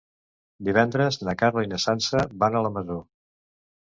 Divendres na Carla i na Sança van a la Masó.